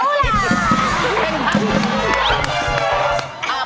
เพลงพัง